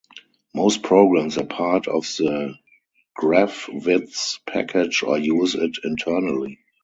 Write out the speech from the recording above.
Most programs are part of the Graphviz package or use it internally.